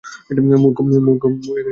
মূর্খ, মূর্খ মেয়ে!